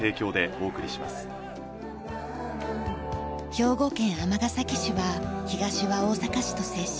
兵庫県尼崎市は東は大阪市と接し